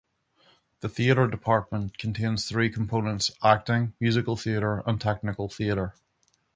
The theatre department contains three components: Acting, Musical Theatre and Technical Theatre.